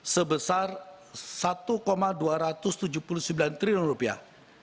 sebesar satu dua ratus tujuh puluh sembilan triliun rupiah